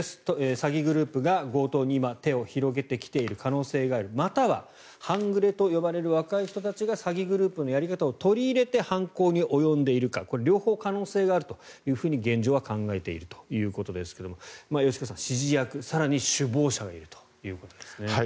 詐欺グループが強盗に今手を広げてきている可能性があるまたは半グレと呼ばれる若い人たちが詐欺グループのやり方を取り入れて犯行に及んでいるかこれ、両方可能性があると現状は考えているということですが吉川さん、指示役更に首謀者がいるということですね。